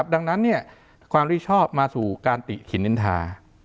ดังนั้นความที่ชอบมาสู่การติหินนินทา